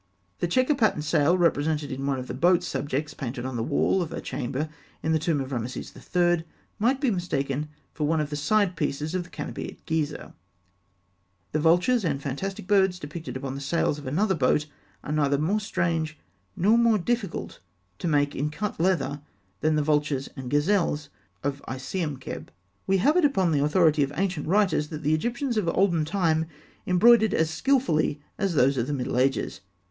The chequer patterned sail represented in one of the boat subjects painted on the wall of a chamber in the tomb of Rameses III. (fig. 274), might be mistaken for one of the side pieces of the canopy at Gizeh. The vultures and fantastic birds depicted upon the sails of another boat (fig. 275) are neither more strange nor more difficult to make in cut leather than the vultures and gazelles of Isiemkheb. [Illustration: Fig. 275. Bark with cut leather sail; wall painting tomb of Rameses III.] We have it upon the authority of ancient writers that the Egyptians of olden time embroidered as skilfully as those of the Middle Ages.